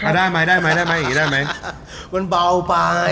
อ่าได้มั้ยได้มั้ยได้มั้ยอีกได้มั้ยมันเบาไปอ่า